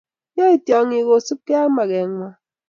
Yae tyong'ik kosubkey ak mageng'wa.